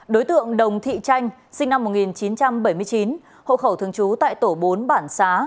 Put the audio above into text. đối tượng đồng thị tranh sinh năm một nghìn chín trăm bảy mươi chín hộ khẩu thường trú tại tổ bốn bản xá